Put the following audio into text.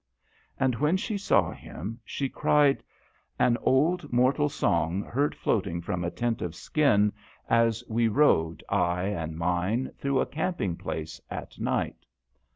And when she saw him she cried, " An old mortal song heard floating from a tent of skin, as 1 88 DHOYA. we rode, I and mine, through a camping place at night."